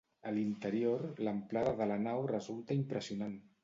A l'interior, l'amplada de la nau resulta impressionant.